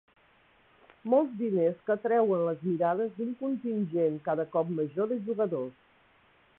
Molts diners que atreuen les mirades d'un contingent cada cop major de jugadors.